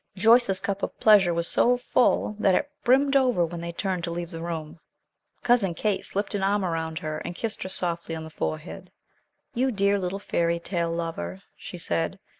Joyce's cup of pleasure was so full, that it brimmed over when they turned to leave the room. Cousin Kate slipped an arm around her, and kissed her softly on the forehead. "You dear little fairy tale lover," she said.